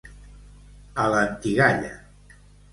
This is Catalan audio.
A l'antigalla.